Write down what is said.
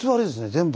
全部。